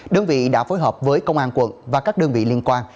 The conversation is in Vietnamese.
đơn vị đã phối hợp với công an quận và các đơn vị liên quan